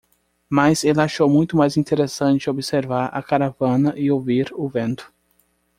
Mas ele achou muito mais interessante observar a caravana e ouvir o vento.